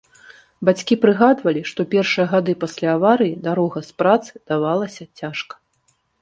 Бацькі прыгадвалі, што першыя гады пасля аварыі дарога з працы давалася цяжка.